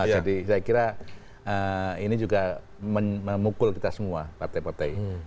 jadi saya kira ini juga memukul kita semua partai partai